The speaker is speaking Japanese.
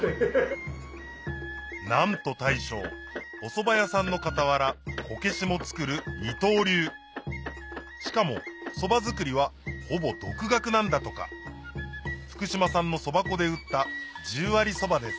なんと大将おそば屋さんの傍らこけしも作る二刀流しかもそば作りはほぼ独学なんだとか福島産のそば粉で打った十割そばです